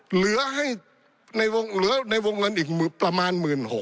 เหลือให้ในวงเลือดในวงกันอีกประมาณ๑๖๐๐๐